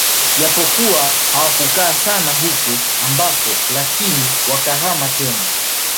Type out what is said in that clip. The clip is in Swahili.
Japokuwa hawakukaa sana huko ambako lakini wakahama tena